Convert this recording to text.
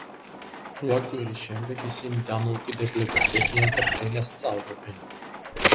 რვა კვირის შემდეგ ისინი დამოუკიდებლები ხდებიან და ფრენას სწავლობენ.